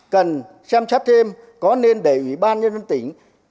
cần xem chấp thêm có nên để ủy ban nhân dân tỉnh